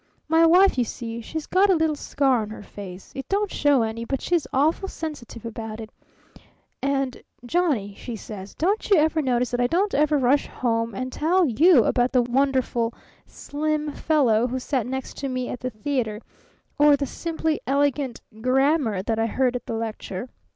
My wife, you see, she's got a little scar on her face it don't show any, but she's awful sensitive about it, and 'Johnny,' she says, 'don't you never notice that I don't ever rush home and tell you about the wonderful slim fellow who sat next to me at the theater, or the simply elegant grammar that I heard at the lecture?